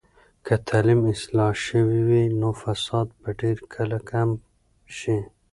که تعلیم اصلاح شوي وي، نو فساد به ډیر کله کم شي.